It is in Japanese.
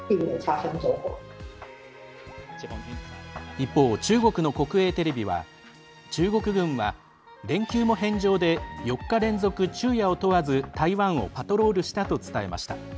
一方、中国の国営テレビは中国軍は連休も返上で４日連続、昼夜を問わず台湾をパトロールしたと伝えました。